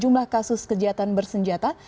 jumlah kasus kejahatan bersenjata